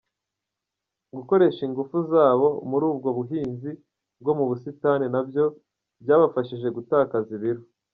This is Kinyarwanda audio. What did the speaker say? Gukoresha ingufu zabo muri ubwo buhinzi bwo mu busitani na byo byabafashije gutakaza ibiro.